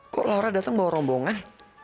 kok laura datang bawa rombongan